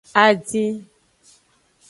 Adin.